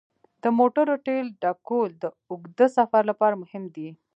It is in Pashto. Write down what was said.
د موټر تیلو ډکول د اوږده سفر لپاره مهم دي.